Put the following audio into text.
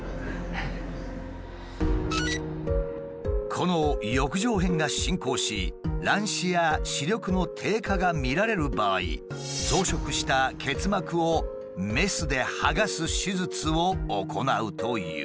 この翼状片が進行し乱視や視力の低下が見られる場合増殖した結膜をメスで剥がす手術を行うという。